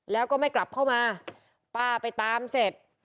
แล้วก็ไม่กลับเข้ามาป้าไปตามเสร็จ